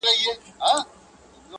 ړانده وګړي د دلبرو قدر څه پیژني!!